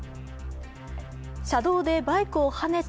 車道でバイクをはねた